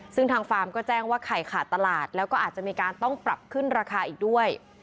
ซึ่งทางฟาร์มก็แจ้งว่าไข่ขาดตลาดแล้วก็อาจจะมีการต้องปรับขึ้นราคาอีกด้วย